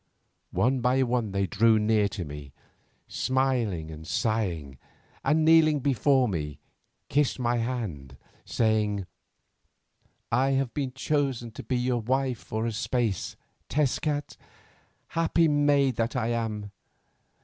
One by one they drew near to me, smiling and sighing, and kneeling before me kissed my hand, saying: "I have been chosen to be your wife for a space, Tezcat, happy maid that I am.